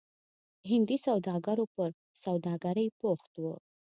هندي سوداګرو پر سوداګرۍ بوخت وو.